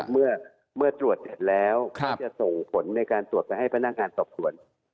เมื่อตรวจเสร็จแล้วก็จะส่งผลในการตรวจไปให้พนักงานสอบสวน